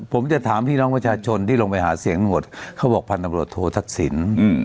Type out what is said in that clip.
ผมจะถามพี่น้องประชาชนที่ลงไปหาเสียงหมดเขาบอกพันธบรวจโททักษิณ